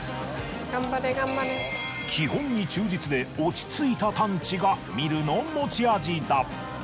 基本に忠実で落ち着いた探知がミルの持ち味だ。